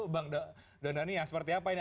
bang dhani yang seperti apa ini